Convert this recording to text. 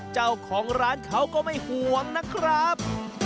เจ้าของร้านเขาก็ไม่ห่วงนะครับ